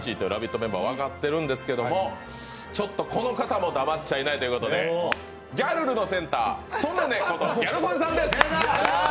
メンバー分かってるんですけども、ちょっとこの方もだまっちゃいないということでギャルルのセンターそねねことギャル曽根さんです。